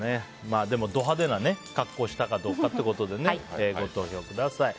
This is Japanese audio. でも、ド派手な格好をしたかどうかということでご投票ください。